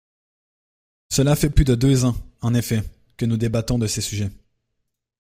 Cela fait plus de deux ans, en effet, que nous débattons de ces sujets.